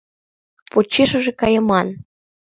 Почешыже кайыман.